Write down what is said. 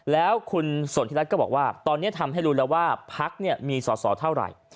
แล้วคุณสนทิรัฐก็บอกว่าตอนนี้ทำให้รู้แล้วว่าพักเนี่ยมีสอสอเท่าไหร่